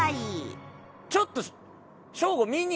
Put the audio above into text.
ちょっと。